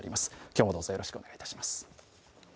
今日もどうぞよろしくお願いします。